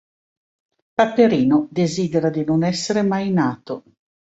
Paperino desidera di non essere mai nato.